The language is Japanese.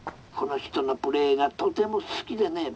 この人のプレーがとても好きでね」。